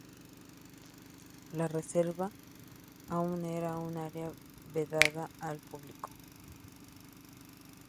La reserva aún era un área vedada al público.